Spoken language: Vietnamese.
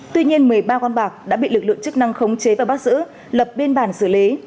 tuy nhiên một mươi ba con bạc đã bị lực lượng chức năng khống chế và bắt giữ lập biên bản xử lý